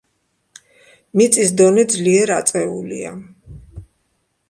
მიწის დონე ძლიერ აწეულია.